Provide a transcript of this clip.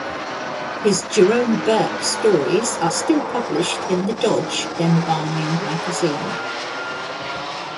His Jerome Burke stories are still published in the "Dodge" embalming magazine.